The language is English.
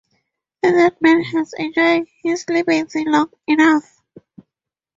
The dead man has enjoyed his liberty long enough.